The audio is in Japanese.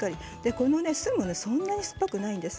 このお酢もそんなしょっぱくないんです。